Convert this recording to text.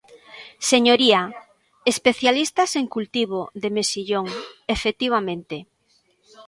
Señoría, especialistas en cultivo de mexillón, efectivamente.